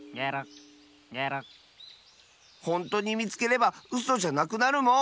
ほんとにみつければうそじゃなくなるもん！